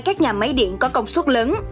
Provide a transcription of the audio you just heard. các nhà máy điện có công suất lớn